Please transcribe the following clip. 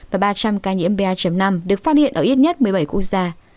và ba trăm linh ca nhiễm ba năm được phát hiện ở ít nhất một mươi bảy quốc gia